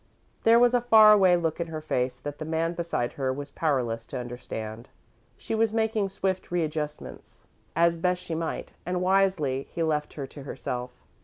There was a far away look in her face that the man beside her was powerless to understand. She was making swift readjustments as best she might, and, wisely, he left her to herself.